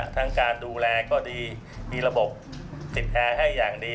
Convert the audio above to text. การดูแลก็ดีมีระบบติดแอร์ให้อย่างดี